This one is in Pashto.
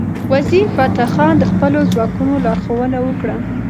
وزیرفتح خان د خپلو ځواکونو لارښوونه وکړه.